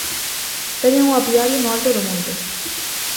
Teñen o apiario no alto do monte.